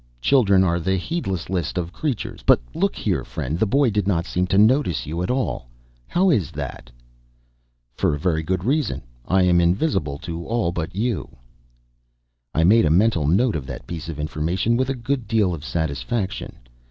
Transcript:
Children are the heedlessest creatures. But look here, friend, the boy did not seem to notice you at all; how is that?" "For a very good reason. I am invisible to all but you." I made a mental note of that piece of information with a good deal of satisfaction.